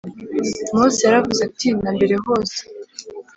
Mose yaravuze ati na mbere hose